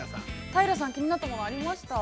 ◆平さん、気になったものはありましたか。